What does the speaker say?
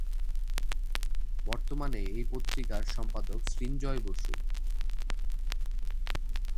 বর্তমানে এই পত্রিকার সম্পাদক সৃঞ্জয় বসু।